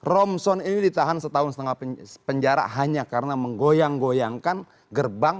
romson ini ditahan setahun setengah penjara hanya karena menggoyang goyangkan gerbang